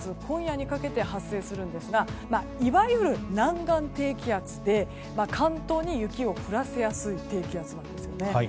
今夜にかけて発生しますがいわゆる南岸低気圧で関東に雪を降らせやすい低気圧なんです。